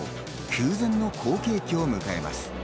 空前の好景気を迎えます。